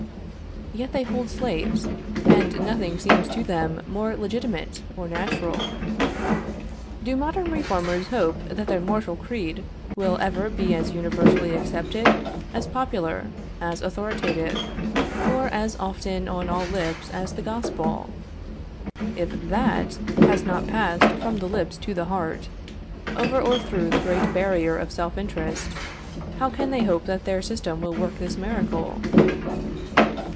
Yet they hold slaves, and nothing seems to them more legitimate or natural. Do modern reformers hope that their moral creed will ever be as universally accepted, as popular, as authoritative, or as often on all lips as the Gospel? If that has not passed from the lips to the heart, over or through the great barrier of self interest, how can they hope that their system will work this miracle?